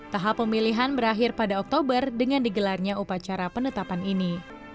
tahap pemilihan berakhir pada oktober dengan digelarnya upacara penetapan ini